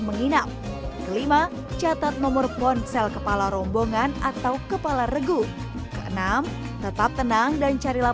menginap kelima catat nomor ponsel kepala rombongan atau kepala regu keenam tetap tenang dan carilah